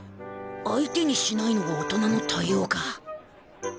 相手にしないのが大人の対応か